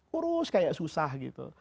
kurus kayak susah gitu